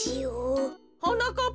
はなかっ